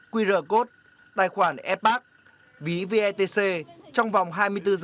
qr code tài khoản apac ví vetc trong vòng hai mươi bốn h